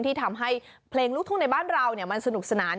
ที่ทำให้เพลงลูกทุ่งในบ้านเรามันสนุกสนาน